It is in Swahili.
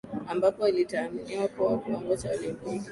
ambapo ilitathminiwa kama kiwango cha Olimpiki